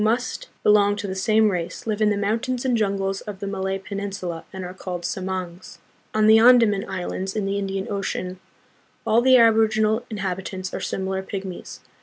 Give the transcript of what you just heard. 31 belong to the same race, live in the mountains and jungles of the Malay peninsula and are called " Semangs." On the Andaman Islands in the Indian Ocean, all the aborig inal inhabitants are similar pygmies.